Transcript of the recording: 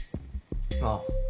ああ。